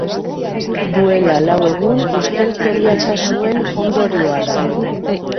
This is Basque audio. Duela lau egun ustelkeria kasuen ondorioa da.